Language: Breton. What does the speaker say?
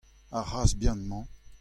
Ar c'hazh bihan-mañ.